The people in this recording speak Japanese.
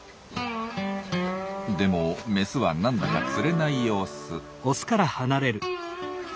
でもメスは何だかつれない様子。